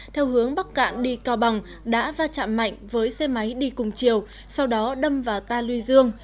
theo hướng bắc cạn đi cao bằng đã va chạm mạnh với xe máy đi cùng chiều sau đó đâm vào ta luy dương